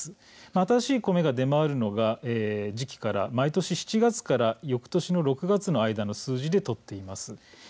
新しい米が出回るのは毎年７月からよくとしの６月の間の数字で取っています。